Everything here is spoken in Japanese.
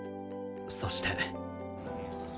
そして